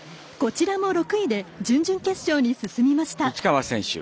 こちらも６位で準々決勝に進みました。